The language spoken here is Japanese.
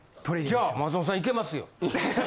じゃあ松本さんいけますよ。